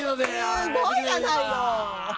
すごいやないの！